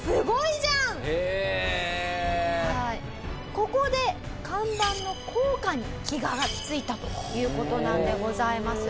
ここで看板の効果に気が付いたという事なんでございます。